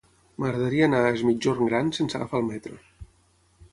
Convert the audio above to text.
M'agradaria anar a Es Migjorn Gran sense agafar el metro.